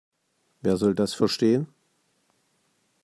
Wer soll das verstehen?